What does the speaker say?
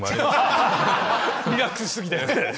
リラックスし過ぎて。